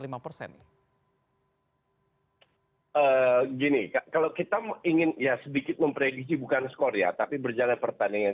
gini kalau kita ingin ya sedikit memprediksi bukan skor ya tapi berjalan pertandingan